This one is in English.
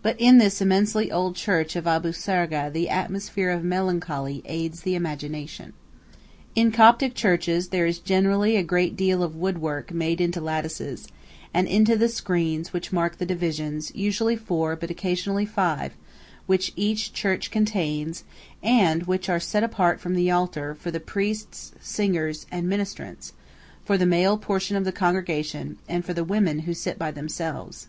But in this immensely old church of Abu Sargah the atmosphere of melancholy aids the imagination. In Coptic churches there is generally a great deal of woodwork made into lattices, and into the screens which mark the divisions, usually four, but occasionally five, which each church contains, and, which are set apart for the altar, for the priests, singers, and ministrants, for the male portion of the congregation, and for the women, who sit by themselves.